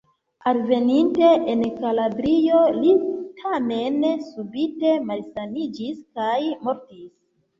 Alveninte en Kalabrio li tamen subite malsaniĝis kaj mortis.